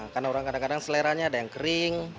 karena orang kadang kadang seleranya ada yang kering